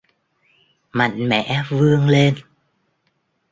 mạnh mẽ vươn lên